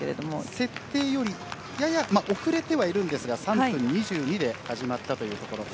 設定よりやや遅れてはいるんですが３分２２で始まったというところ。